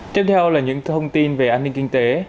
tiếp theo là những thông tin về an ninh kinh tế